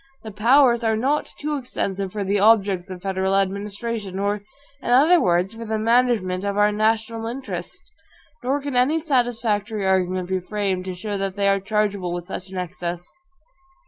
The POWERS are not too extensive for the OBJECTS of federal administration, or, in other words, for the management of our NATIONAL INTERESTS; nor can any satisfactory argument be framed to show that they are chargeable with such an excess.